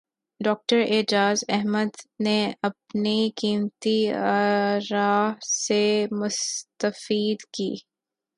doctor Ejaz Ahmed نے اپنے قیمتی اراءسے مستفید کی